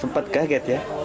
sempat kaget ya